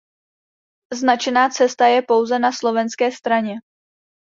Značená cesta je pouze na slovenské straně.